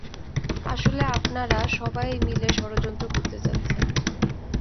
আসলে আপনারা সবাই মিলে ষড়যন্ত্র করতে চাচ্ছেন।